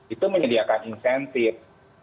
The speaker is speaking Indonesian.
itu menyediakan insentif